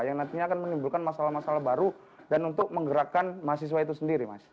yang nantinya akan menimbulkan masalah masalah baru dan untuk menggerakkan mahasiswa itu sendiri mas